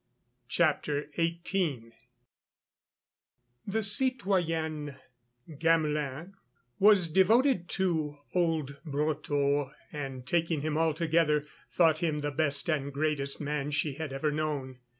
she yelled. XVIII The citoyenne Gamelin was devoted to old Brotteaux, and taking him altogether, thought him the best and greatest man she had ever known.